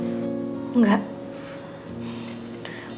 umur gak ada yang tau pak